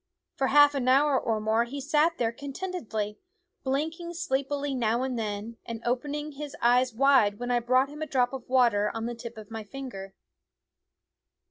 35i ffte fa finals Die W SCHOOL OF For a half hour or more he sat there con tentedly, blinking sleepily now and then, and opening his eyes wide when I brought him a drop of water on the tip of my finger.